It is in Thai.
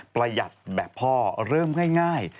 ประหยัดแบบพ่อเริ่มง่าย